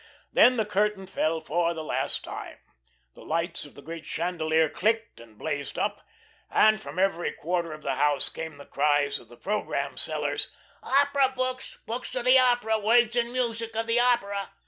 Then the curtain fell for the last time, the lights of the great chandelier clicked and blazed up, and from every quarter of the house came the cries of the programme sellers: "Opera books. Books of the opera. Words and music of the opera."